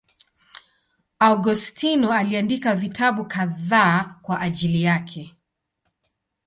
Augustino aliandika vitabu kadhaa kwa ajili yake.